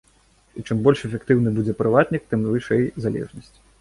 І чым больш эфектыўны будзе прыватнік, тым вышэй залежнасць.